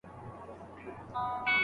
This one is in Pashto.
مجرد د کور کارونه بل چا ته نه پريږدي.